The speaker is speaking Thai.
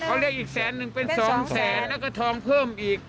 เขาเรียกอีกแสนหนึ่งเป็น๒แสนแล้วก็ทองเพิ่มอีก